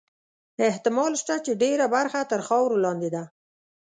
احتمال شته چې ډېره برخه تر خاورو لاندې ده.